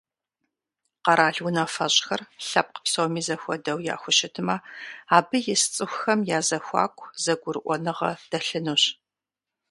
Къэрал унафэщӏхэр лъэпкъ псоми зэхуэдэу яхущытмэ, абы ис цӏыхухэм я зэхуаку зэгурыӀуэныгъэ дэлъынущ.